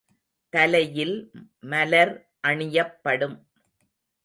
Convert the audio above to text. தலையில் மலர் அணியப்படும்.